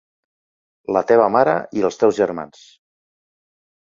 La teva mare i els teus germans.